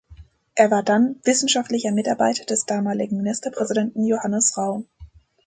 Er war dann wissenschaftlicher Mitarbeiter des damaligen Ministerpräsidenten Johannes Rau.